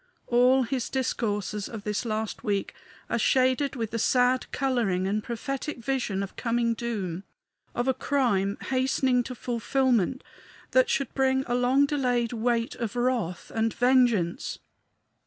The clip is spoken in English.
All his discourses of this last week are shaded with the sad coloring and prophetic vision of coming doom, of a crime hastening to fulfillment that should bring a long delayed weight of wrath and vengeance.